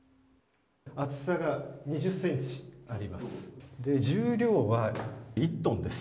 厚さが２０ｃｍあります。